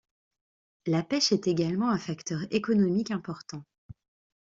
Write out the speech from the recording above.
La pêche est également un facteur économique important.